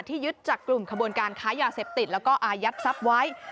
ที่ยึดจากกลุ่มขบการค้ายาเสะปติดและอายัดทรัพย์ไว้